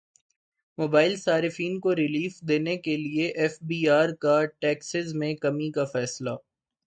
mobile صارفین کو relief دینے کیلئے ایف بی ار کا ٹیکسز میں کمی کا فیصلہ